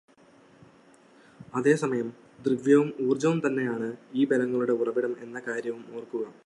അതേസമയം ദ്രവ്യവും ഊർജവും തന്നെയാണ് ഈ ബലങ്ങളുടെ ഉറവിടം എന്ന കാര്യവും ഓർകുക.